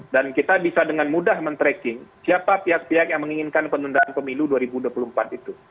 dan kita bisa dengan mudah men tracking siapa pihak pihak yang menginginkan penundaan pemilu dua ribu dua puluh empat itu